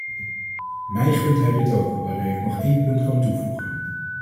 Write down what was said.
Mij gunt hij dit ook, waardoor ik nog één punt kan toevoegen.